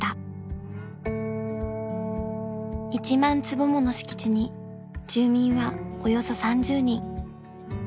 ［１万坪もの敷地に住民はおよそ３０人］